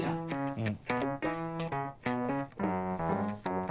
うん。